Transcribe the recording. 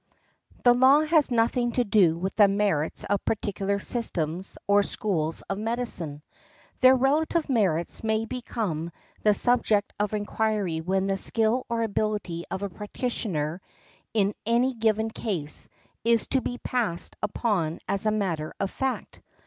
The law has nothing to do with the merits of particular systems or schools of medicine. Their relative merits may become the subject of inquiry when the skill or ability of a practitioner, in any given case, is to be passed upon as a matter of fact.